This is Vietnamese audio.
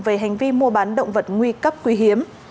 về hành vi mua bán động vật nguy cấp quý hiếm